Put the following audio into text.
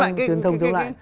vâng truyền thông chống lại